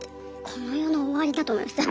この世の終わりだと思いました。